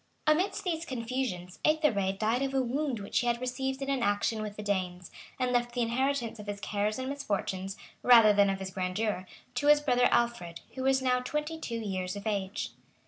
Amidst these confusions, Ethered died of a wound which he had received in an action with the Danes; and left the inheritance of his cares and misfortunes, rather than of his grandeur, to his brother Alfred, who was now twenty two years of age.